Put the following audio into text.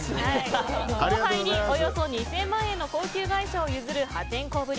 後輩におよそ２０００万円の高級外車を譲る破天荒ぶり。